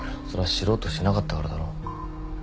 それは知ろうとしなかったからだろ。